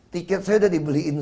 tiket saya udah dibeliin